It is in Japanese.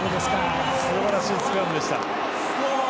すばらしいスクラムでした。